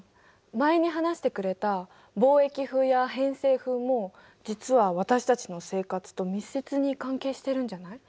前に話してくれた貿易風や偏西風も実は私たちの生活と密接に関係してるんじゃない？